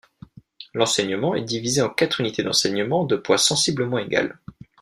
L'enseignement est divisé en quatre unités d'enseignement de poids sensiblement égal.